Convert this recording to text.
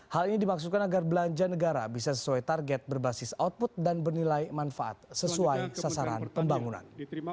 hal ini dimaksudkan agar belanja negara bisa sesuai target berbasis output dan bernilai manfaat sesuai sasaran pembangunan